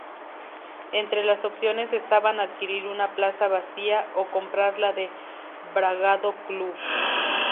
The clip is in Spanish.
Entre las opciones estaban adquirir una plaza vacía, o comprar la de Bragado Club.